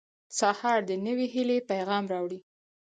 • سهار د نوې هیلې پیغام راوړي.